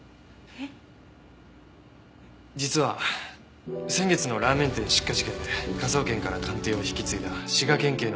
実は先月のラーメン店失火事件で科捜研から鑑定を引き継いだ滋賀県警の物理研究員